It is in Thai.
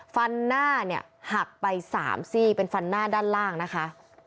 ฟันหน้าเนี่ยหักไป๓ซี่เป็นฟันหน้าด้านล่างนะคะ